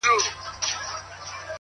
دلته لېونیو نن د عقل ښار نیولی دی.!